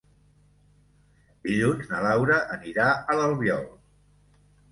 Dilluns na Laura anirà a l'Albiol.